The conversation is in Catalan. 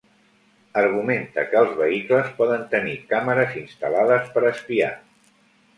Argumenta que els vehicles poden tenir càmeres instal·lades per espiar.